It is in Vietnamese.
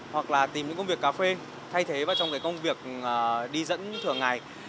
hoặc là tìm những công việc cà phê thay thế vào trong cái công việc đi dẫn thường ngày